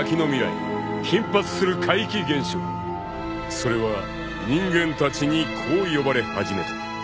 ［それは人間たちにこう呼ばれ始めた］